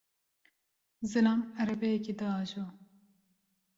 Zilam erebeyekê diajo.